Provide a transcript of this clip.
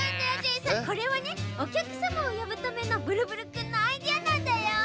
これはねおきゃくさまをよぶためのブルブルくんのアイデアなんだよ！